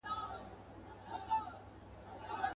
په لوی لاس ځانته کږې کړي سمي لاري..